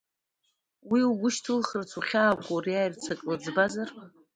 Уи угәы шьҭылхырц, ухьаақәа уриааирц ак лыӡбазар?!